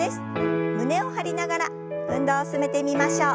胸を張りながら運動を進めてみましょう。